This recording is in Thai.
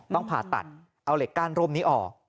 ผ่าตัดเอาเหล็กก้านร่มนี้ออก